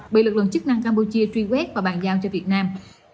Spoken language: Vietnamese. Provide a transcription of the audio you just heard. bị lực lượng chức năng campuchia truy quét và bàn giao cho việt nam